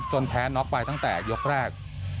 แพ้น็อกไปตั้งแต่ยกแรก